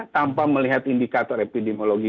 tanpa melihat indikator epidemiologi